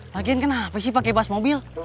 hakim kenapa sih pakai bas mobil